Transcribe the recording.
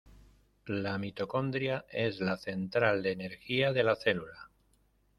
La mitocondria es la central de energía de la célula.